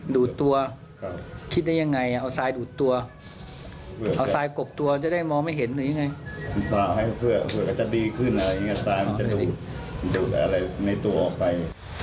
ดูดอะไรในตัวออกไป